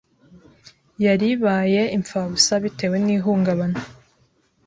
yari ibaye imfabusa bitewe n’ihungabana